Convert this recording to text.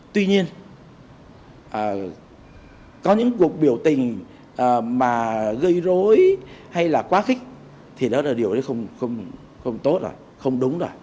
tuy nhiên có những cuộc biểu tình mà gây rối hay là quá khích thì đó là điều đấy không tốt rồi không đúng rồi